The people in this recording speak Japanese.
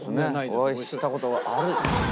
お会いした事はある？